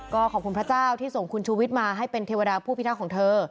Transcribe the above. ก็ขอบคุณพระเจ้าที่ส่งคุณชูวิทย์มาให้เป็นเทวดาผู้พิทักษ์ของเธอ